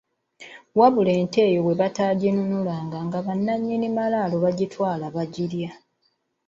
Wabula ente eyo bwe bataaginunulanga nga bannyini malaalo bagitwala ne bagirya.